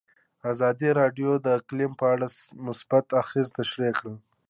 ازادي راډیو د اقلیم په اړه مثبت اغېزې تشریح کړي.